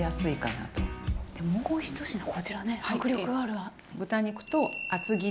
でもう１品こちらね迫力がある。